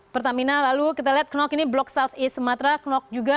pertamina lalu kita lihat knok ini blok south east sumatra knok juga